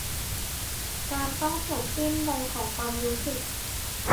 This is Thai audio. การต้องจบสิ้นลงของความรู้สึก